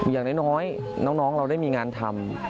อย่างน้อยน้องเราได้มีงานทำ